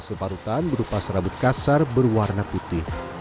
asal parutan berupa serabut kasar berwarna putih